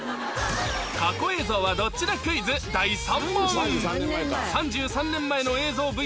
過去映像はどっちだクイズ第３問